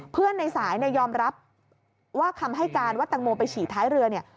เพื่อนในสายนายอมรับว่าคำให้การว่าตางโมไปฉีดท้ายเรือเนี่ย